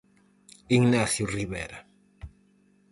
Ignacio Rivera.